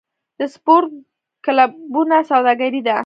د سپورت کلبونه سوداګري ده؟